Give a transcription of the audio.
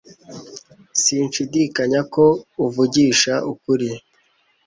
Sinshidikanya ko uvugisha ukuri